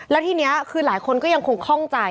แล้วทีนี้คือหลายคนก็ยังคงคล่องใจ